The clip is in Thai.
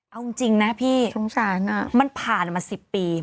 เอาจริงนะพี่มันผ่านมา๑๐ปีชงสารนะ